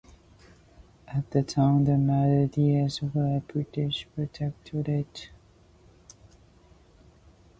At the time, the Maldives were a British protectorate.